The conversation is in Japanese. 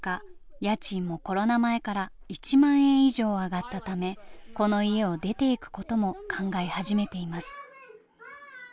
家賃もコロナ前から１万円以上上がったためこの家を出ていくことも考え始めています。